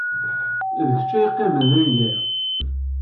D kečč ay yeqqimen d aneggaru.